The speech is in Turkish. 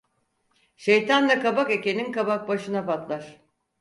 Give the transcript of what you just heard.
Şeytanla kabak ekenin kabak başına patlar.